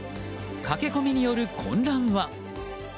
駆け込みによる混乱は？